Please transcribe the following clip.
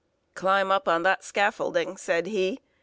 "Climb up on that scaffolding," said he.